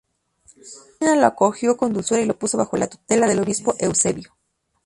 Justina lo acogió con dulzura y lo puso bajo la tutela del obispo Eusebio.